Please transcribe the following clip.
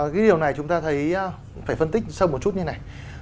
cái điều này chúng ta thấy phải phân tích sâu một chút như này